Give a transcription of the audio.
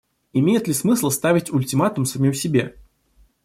Имеет ли смысл ставить ультиматум самим себе?